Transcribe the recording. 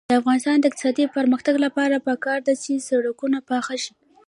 د افغانستان د اقتصادي پرمختګ لپاره پکار ده چې سړکونه پاخه شي.